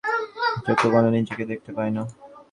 চক্ষু কখনও নিজেকে দেখিতে পায় না।